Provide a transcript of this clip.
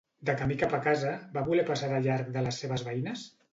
De camí cap a casa, va voler passar de llarg de les seves veïnes?